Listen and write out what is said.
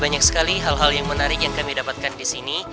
banyak sekali hal hal yang menarik yang kami dapatkan di sini